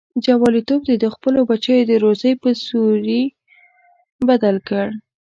جواليتوب دې د خپلو بچو د روزۍ په سوري بدل کړ.